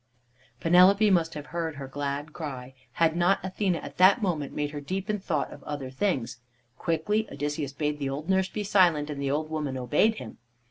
Penelope must have heard her glad cry, had not Athene at that moment made her deep in thoughts of other things. Quickly Odysseus bade the old nurse be silent, and the old woman obeyed him.